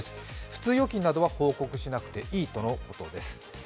普通預金などは報告しなくていいとのことです。